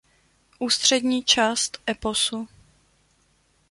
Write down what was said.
Ústřední část eposu.